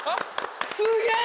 すげえ！